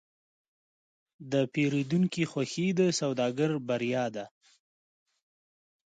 د پیرودونکي خوښي د سوداګر بریا ده.